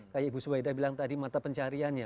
kayak ibu swaida bilang tadi mata pencariannya